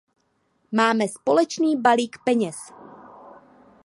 Máme společný balík peněz.